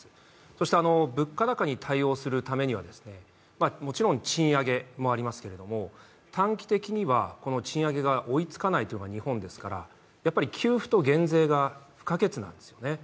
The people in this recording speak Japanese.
そして物価高に対応するためにはもちろん賃上げもありますけれども短期的には、賃上げが追いつかないというのが日本ですから、給付と減税が不可欠なんですよね。